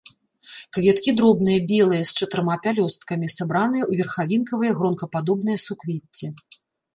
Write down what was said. Кветкі дробныя, белыя, з чатырма пялёсткамі, сабраныя ў верхавінкавыя гронкападобныя суквецці.